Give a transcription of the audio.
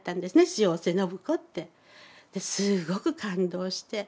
塩瀬信子って。ですごく感動して。